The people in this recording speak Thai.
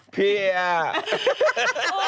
พี่อ้าว